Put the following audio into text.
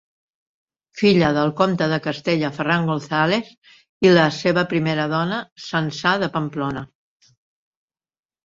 Filla del comte de Castella Ferran González i la seva primera dona Sança de Pamplona.